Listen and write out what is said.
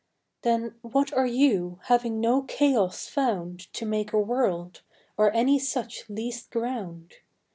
Then what are You, having no Chaos found To make a World, or any such least ground?